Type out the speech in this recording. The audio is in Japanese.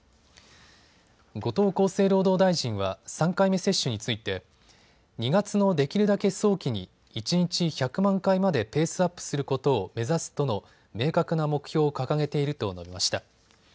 後藤厚生労働大臣は３回目接種について２月のできるだけ早期に一日１００万回までペースアップすることを目指すとの明確な目標を掲げていると述べました。